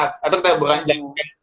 atau kita bukan jenguk jenguk